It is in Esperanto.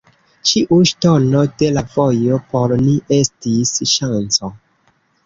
Ĉiu ŝtono de la vojo por ni estis ŝanco.